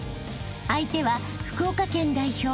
［相手は福岡県代表］